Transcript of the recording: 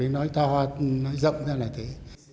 nói to nói rộng ra là thế